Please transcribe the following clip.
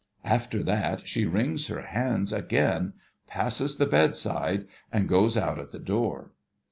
' After that, she wrings her hands again, passes the bedside, and goes out at the door.